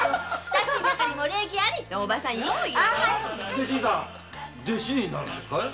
で新さん弟子になるんですかい？